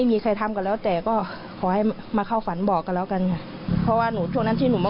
พี่ก็หมายถึงลอตเตอรี่เนอะ